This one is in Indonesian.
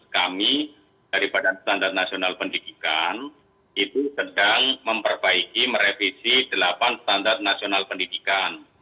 kami dari badan standar nasional pendidikan itu sedang memperbaiki merevisi delapan standar nasional pendidikan